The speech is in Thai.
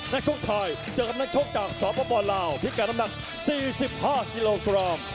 ชกไทยเจอกับนักชกจากสปลาวพิการน้ำหนัก๔๕กิโลกรัม